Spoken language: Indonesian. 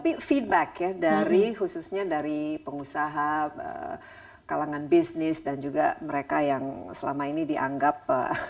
tapi feedback ya dari khususnya dari pengusaha kalangan bisnis dan juga mereka yang selama ini dianggap